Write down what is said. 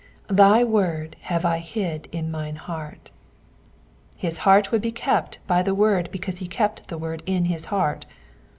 ''*'Thy word have I hid in mine hearts His heart would be kept by the word because he kept the word in his heart.